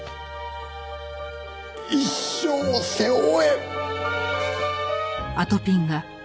一生背負え。